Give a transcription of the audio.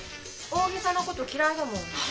大げさなこと嫌いだもん。